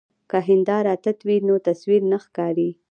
که هنداره تت وي نو تصویر نه ښکاري.